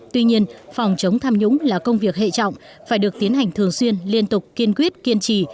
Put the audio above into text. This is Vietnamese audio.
tuy nhiên phòng chống tham nhũng là công việc hệ trọng phải được tiến hành thường xuyên liên tục kiên quyết kiên trì